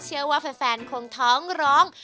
เชื่อว่าแฟนคงท้องร้อง